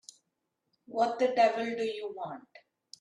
What the devil do you want?